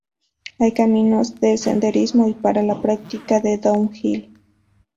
Hay caminos de senderismo y para la práctica de Down Hill.